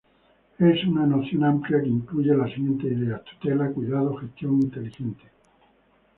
Es una noción amplia que incluye las siguientes ideas: tutela, cuidado, gestión inteligente.